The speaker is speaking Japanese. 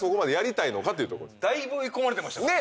だいぶ追い込まれてましたから。